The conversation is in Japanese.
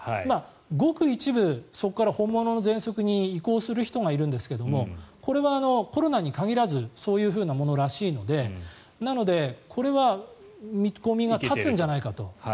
ごく一部そこから本物のぜんそくに移行する人がいるんですけどもこれはコロナに限らずそういうものらしいのでなので、これは見込みが立つんじゃないかと。